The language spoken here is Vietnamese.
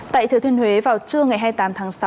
tại thứa thuyên huế vào trưa ngày hai mươi tám tháng sáu